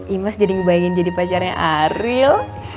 imas jadi ngebayangin jadi pacarnya aril